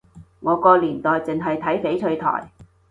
我個年代淨係睇翡翠台